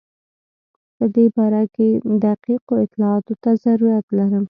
په دې باره کې دقیقو اطلاعاتو ته ضرورت لرم.